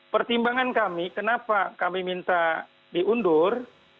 pertimbangan kami kenapa kami minta diundur